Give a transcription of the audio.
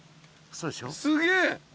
すげえ。